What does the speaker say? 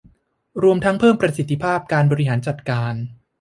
รวมทั้งเพิ่มประสิทธิภาพการบริหารจัดการ